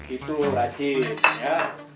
itu raci ya